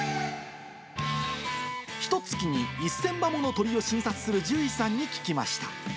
ひとつきに１０００羽もの鳥を診察する獣医さんに聞きました。